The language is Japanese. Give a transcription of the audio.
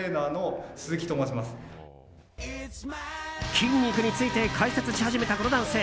筋肉について解説し始めたこの男性。